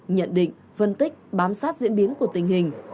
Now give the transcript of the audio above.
nhận định phân tích bám sát diễn biến của tình hình